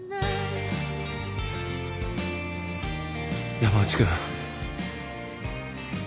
山内君。